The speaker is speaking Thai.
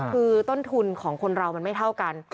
คือต้นทุนของคนเรามันไม่เท่ากัน